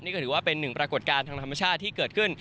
นี่ก็ถือว่าเป็นหนึ่งปรากฏการณ์ทางธรรมชาติที่เกิดขึ้น